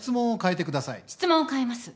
質問を変えます。